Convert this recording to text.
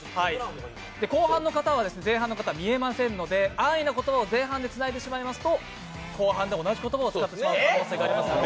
後半の方は前半の方が見えませんので、安易な言葉を前半でつないでしまうと後半で同じ言葉を使ってしまう可能性がありますので。